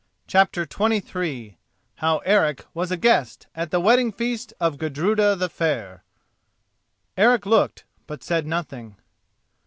CHAPTER XXIII HOW ERIC WAS A GUEST AT THE WEDDING FEAST OF GUDRUDA THE FAIR Eric looked, but said nothing.